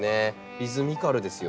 リズミカルですよね。